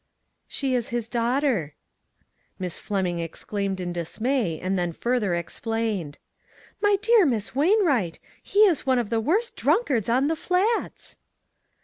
" She is his daughter." Miss Fleming exclaimed in dismay, and then further explained :" My dear Miss Wainwright, he is one of the worst drunkards on the Flats